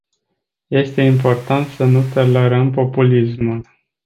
Este important să nu tolerăm populismul.